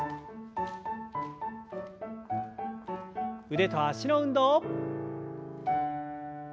腕と脚の運動。